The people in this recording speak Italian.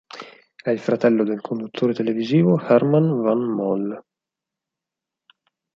È il fratello del conduttore televisivo Herman Van Molle.